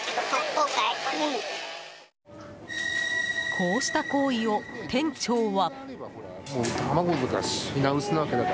こうした行為を店長は。